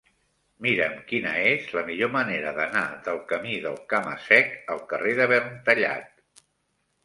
Mira'm quina és la millor manera d'anar del camí del Cama-sec al carrer de Verntallat.